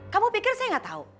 kamu pikir saya nggak tahu